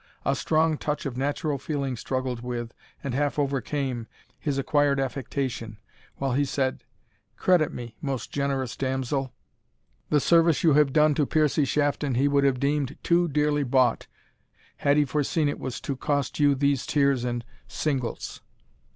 A strong touch of natural feeling struggled with, and half overcame, his acquired affectation, while he said, "Credit me, most generous damsel, the service you have done to Piercie Shafton he would have deemed too dearly bought, had he foreseen it was to cost you these tears and singults.